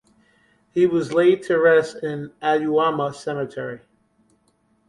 He was laid to rest in Aoyama Cemetery.